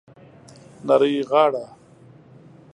نرۍ غاړه